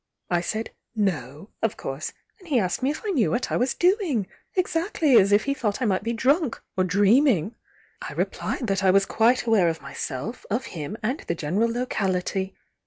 I said 'No,' of course, and he asked me if I k"«w what I was doing' Exactly as if he thought i might be drunk, or dreaming! I replied that I was quite aware of myself, of him, and the general locality.